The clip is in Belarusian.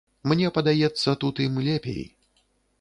Мне падаецца, тут ім лепей.